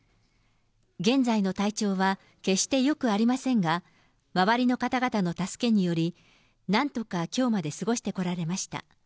現在の体調は決してよくありませんが、周りの方々の助けにより、なんとかきょうまで過ごしてこられました。